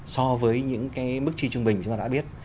so với những cái mức chi trung bình chúng ta đã biết